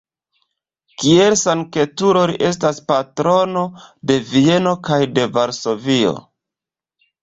Kiel sanktulo li estas patrono de Vieno kaj de Varsovio.